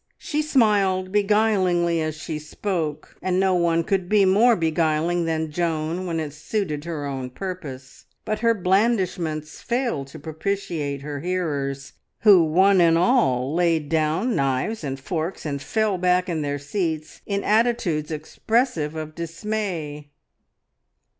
She smiled beguilingly as she spoke, and no one could be more beguiling than Joan when it suited her own purpose. But her blandishments failed to propitiate her hearers, who one and all laid down knives and forks and fell back in their seats in attitudes expressive of dismay.